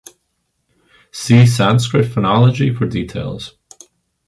See Sanskrit Phonology for details.